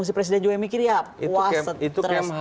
si presiden joe mikir ya waset